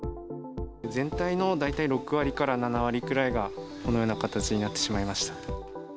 全体の大体６割から７割くらいが、このような形になってしまいました。